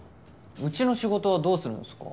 うちの仕事はどうするんすか？